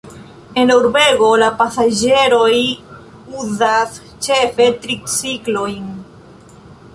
En la urbego la pasaĝeroj uzas ĉefe triciklojn.